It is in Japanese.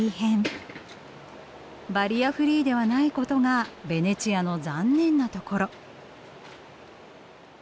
バリアフリーではないことがベネチアの残念なところ。